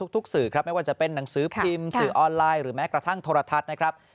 สื่อครับไม่ว่าจะเป็นหนังสือพิมพ์สื่อออนไลน์หรือแม้กระทั่งโทรทัศน์นะครับ